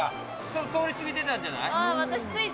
ちょっと通り過ぎてたんじゃない？